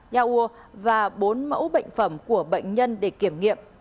nha ua và bốn mẫu bệnh phẩm của bệnh nhân để kiểm nghiệm